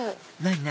何？